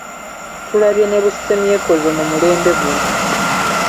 Tulabye ne busemyekozo mu mulembe guno.